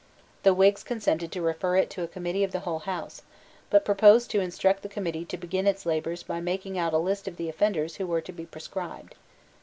The Whigs consented to refer it to a Committee of the whole House, but proposed to instruct the Committee to begin its labours by making out a list of the offenders who were to be proscribed.